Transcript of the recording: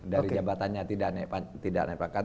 dari jabatannya tidak nepatkan